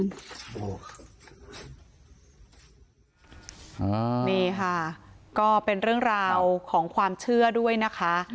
นี่ค่ะก็เป็นเรื่องราวของความเชื่อด้วยนะคะ